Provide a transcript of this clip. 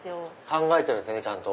考えてるんすねちゃんと。